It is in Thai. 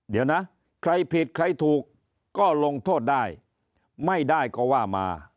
เดี๋ยวนะใครผิดใครถูกก็ลงโทษได้ไม่ได้ก็ว่ามา